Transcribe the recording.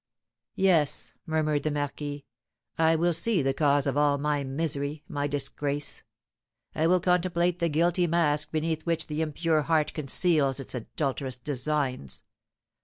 "Yes," murmured the marquis, "I will see the cause of all my misery, my disgrace. I will contemplate the guilty mask beneath which the impure heart conceals its adulterous designs.